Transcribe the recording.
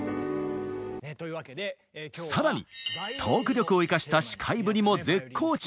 更にトーク力を生かした司会ぶりも絶好調。